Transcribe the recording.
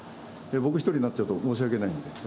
僕一人になっちゃうと申し訳ないんで。